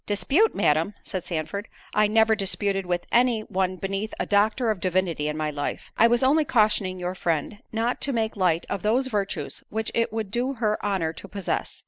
"Dispute, Madam!" said Sandford, "I never disputed with any one beneath a doctor of divinity in my life. I was only cautioning your friend not to make light of those virtues which it would do her honour to possess.